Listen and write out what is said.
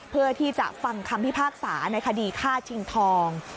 เพื่อที่จะฟังคำพิพากษาในคดีฆ่าชิงทอง